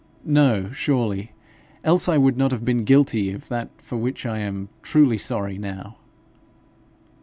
'No, surely; else I would not have been guilty of that for which I am truly sorry now.'